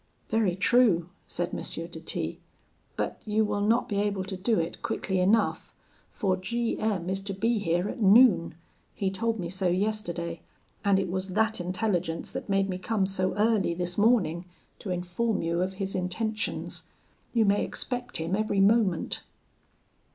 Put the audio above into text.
'Very true,' said M. de T , 'but you will not be able to do it quickly enough, for G M is to be here at noon; he told me so yesterday, and it was that intelligence that made me come so early this morning to inform you of his intentions. You may expect him every moment.'"